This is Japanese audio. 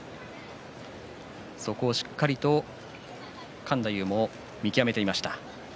そこをしっかりと勘太夫も見極めていました。